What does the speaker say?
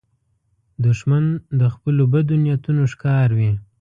دښمن د خپلو بدو نیتونو ښکار وي